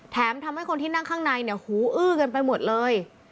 ทำให้คนที่นั่งข้างในเนี่ยหูอื้อกันไปหมดเลย